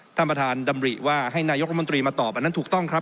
ท่านประธานดำริว่าให้นายกรัฐมนตรีมาตอบอันนั้นถูกต้องครับ